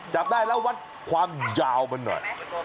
จับได้แล้ววัดความยาวมันหน่อย